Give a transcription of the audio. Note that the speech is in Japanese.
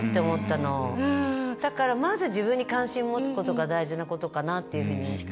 だからまず自分に関心を持つことが大事なことかなっていうふうに。